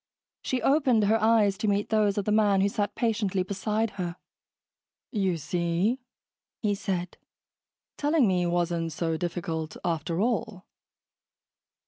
She opened he eyes to meet those of the man who sat patiently beside her. "You see," he said, "telling me wasn't so difficult, after all."